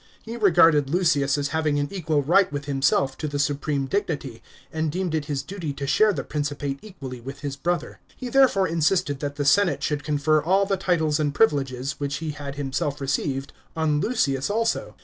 He regarded Lucius as having an equal right with himself to the supreme dignity, and deemed it his duty to share the Principate equally with his brother. He therefore insisted that the senate should confer all the titles and privileges, which he had himself received, on Lucius also.